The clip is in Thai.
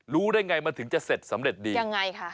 รู้ได้ไงมันถึงจะเสร็จสำเร็จดียังไงคะ